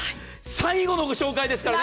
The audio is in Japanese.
最後のご紹介ですからね。